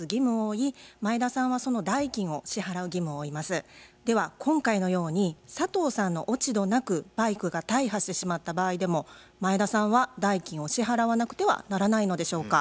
これによってでは今回のように佐藤さんの落ち度なくバイクが大破してしまった場合でも前田さんは代金を支払わなくてはならないのでしょうか。